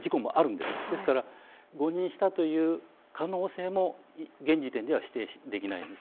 ですから誤認したという可能性も現時点では否定できないんです。